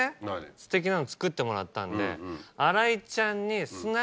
すてきなの作ってもらったので。